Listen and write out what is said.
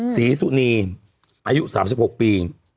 ศรีสุนีอายุ๓๖ปี